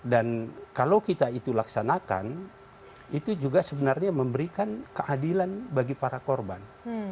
dan kalau kita itu laksanakan itu juga sebenarnya memberikan keadilan bagi para korban